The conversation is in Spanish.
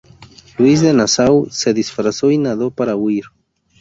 Luis de Nassau se disfrazó y nadó para huir.